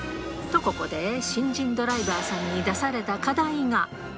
と、ここで新人ドライバーさんに出された課題が。